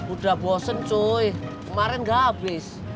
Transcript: udah bosen cuy kemarin gak habis